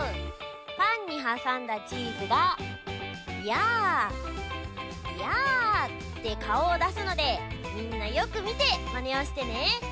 パンにはさんだチーズが「やあやあ」ってかおをだすのでみんなよくみてマネをしてね。